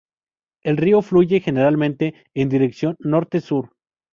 El río fluye generalmente en dirección norte-sur.